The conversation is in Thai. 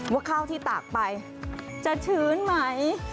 ว่าข้าวที่ตากไปจะชื้นไหม